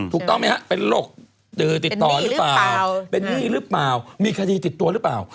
ถูกต้องไหมฮะเป็นโรคดือติดต่อหรือเปล่าเป็นหนี้หรือเปล่ามีคดีติดตัวหรือเปล่า